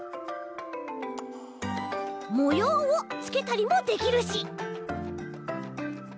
もようをつけたりもできるし。